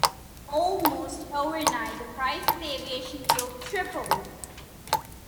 Almost overnight, the price of aviation fuel tripled.